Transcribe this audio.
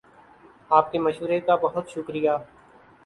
آپ کے مشورے کا بہت شکر یہ